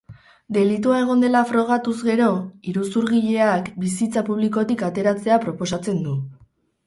Delitua egon dela frogatuz gero, iruzurgileak bizitza publikotik ateratzea proposatzen du.